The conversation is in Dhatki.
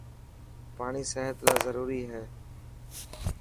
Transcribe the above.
پاڻي صحت لاءِ ضروري هي.